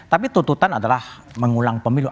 tapi tuntutan adalah mengulang pemilu